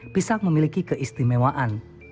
pisang memiliki keistimewaan